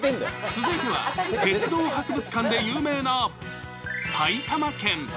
続いては鉄道博物館で有名な、埼玉県。